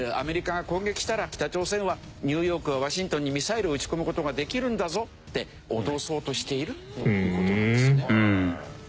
北朝鮮はニューヨークやワシントンにミサイルを撃ち込む事ができるんだぞって脅そうとしているっていう事なんですね。